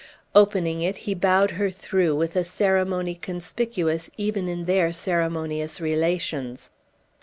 Opening it, he bowed her through with a ceremony conspicuous even in their ceremonious relations.